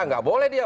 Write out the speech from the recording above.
tidak boleh dia